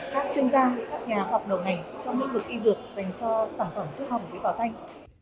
các chuyên gia các nhà học nội ngành trong lĩnh vực y dược dành cho sản phẩm thuốc ho bổ phế bảo thanh